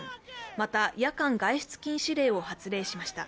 また、夜間外出禁止令を発令しました。